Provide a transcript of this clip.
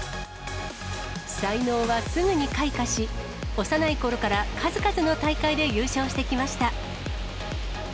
才能はすぐに開花し、幼いころから数々の大会で優勝してきました。